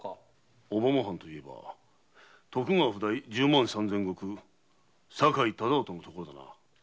小浜藩といえば徳川譜代十万三千石のところだな。